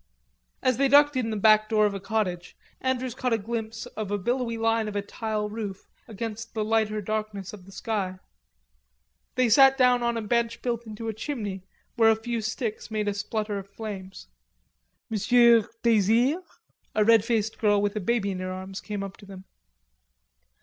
As they ducked in the back door of a cottage, Andrews caught a glimpse of the billowy line of a tile roof against the lighter darkness of the sky. They sat down on a bench built into a chimney where a few sticks made a splutter of flames. "Monsieur desire?" A red faced girl with a baby in her arms came up to them.